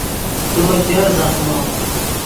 تو چر زخمے